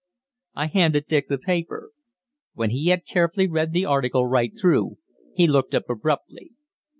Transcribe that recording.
I handed Dick the paper. When he had carefully read the article right through, he looked up abruptly.